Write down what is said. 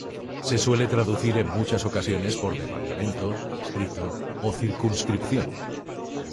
Se suele traducir en muchas ocasiones por departamento, distrito o circunscripción.